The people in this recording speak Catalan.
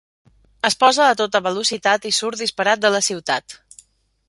Es posa a tota velocitat i surt disparat de la ciutat.